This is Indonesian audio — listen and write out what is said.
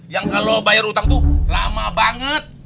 yang kalau bayar utang itu lama banget